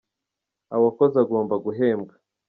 awakoze agomba guhembwa.